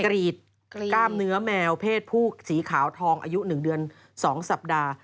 กรีดกล้ามเนื้อแมวเพศผู้สีขาวทองอายุ๑เดือน๒สัปดาห์